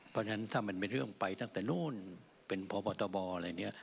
เพราะฉะนั้นถ้ามันเป็นเรื่องไปตั้งแต่นู้นเป็นพบตบอะไรเนี่ย